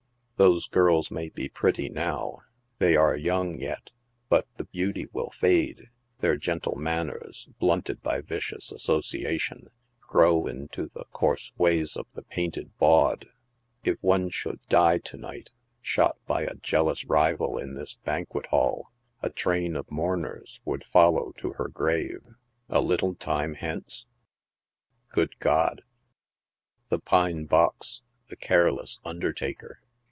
Those girls may be pretty now ; they are young yet ; but the beauty will fade, their gentle manners, blunted by vicious association, grow into the coarse ways of the painted bawd. If one should die to night, shot by a jealous rival in this banquet hall, a train of mourners would fol'ow to her grave— a little time hence ?„ Good God ! the pine box, the careless undertaker